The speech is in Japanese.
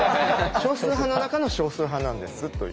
少数派の中の少数派なんですという。